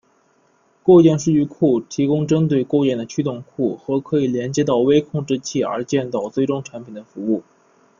构件数据库提供针对构件的驱动库和可以连接到微控制器而建造最终产品的服务。